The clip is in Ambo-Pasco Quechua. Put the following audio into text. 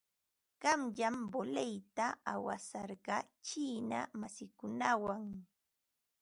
Qanyan voleyta awasarqaa chiina masiikunawan.